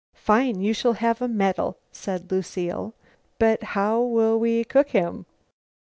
"Fine! You shall have a medal," said Lucile. "But how will we cook him?"